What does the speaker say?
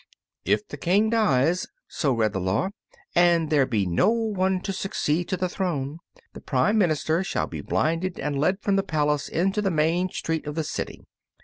"If the King dies," so read the law, "and there be no one to succeed to the throne, the prime minister shall be blinded and led from the palace into the main street of the city.